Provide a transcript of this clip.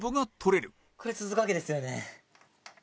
これ続くわけですよね。